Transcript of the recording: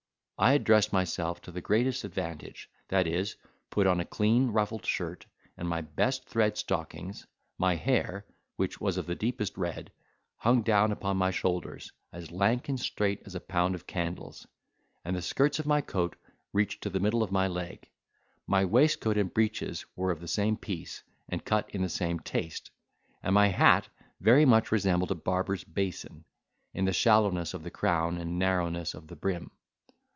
I had dressed myself to the greatest advantage; that is, put on a clean ruffled shirt, and my best thread stockings: my hair (which was of the deepest red) hung down upon my shoulders, as lank and straight as a pound of candles; and the skirts of my coat reached to the middle of my leg; my waistcoat and breeches were of the same piece, and cut in the same taste; and my hat very much resembled a barber's basin, in the shallowness of the crown and narrowness of the brim.